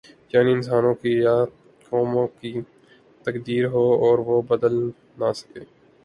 یعنی انسانوں کی یا قوموں کی تقدیر ہو اور وہ بدل نہ سکے۔